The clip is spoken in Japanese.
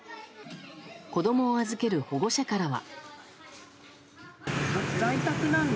子供を預ける保護者からは。